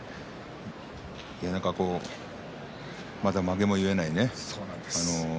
まだ、まげも結えないね